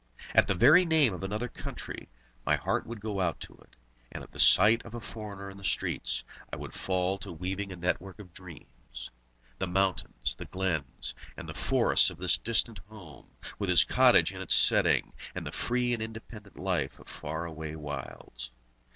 At the very name of another country, my heart would go out to it, and at the sight of a foreigner in the streets, I would fall to weaving a network of dreams, the mountains, the glens, and the forests of his distant home, with his cottage in its setting, and the free and independent life of far away wilds.